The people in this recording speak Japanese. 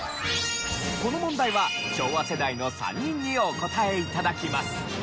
この問題は昭和世代の３人にお答え頂きます。